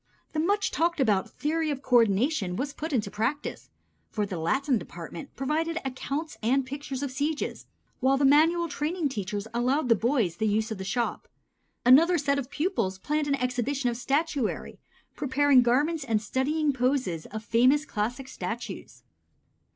The much talked of theory of co ordination was put into practice, for the Latin department provided accounts and pictures of sieges, while the manual training teachers allowed the boys the use of the shop. Another set of pupils planned an exhibition of statuary, preparing garments and studying poses of famous classic statues.